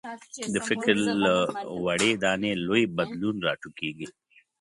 د فکر له وړې دانې لوی بدلون راټوکېږي.